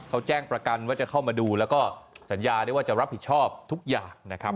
เขาแจ้งประกันว่าจะเข้ามาดูแล้วก็สัญญาได้ว่าจะรับผิดชอบทุกอย่างนะครับ